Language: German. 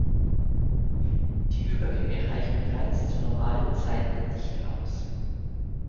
Die Übergänge reichen bereits zu normalen Zeiten nicht aus.